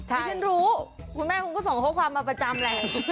ที่ฉันรู้คุณแม่คุณก็ส่งข้อความมาประจำแหละ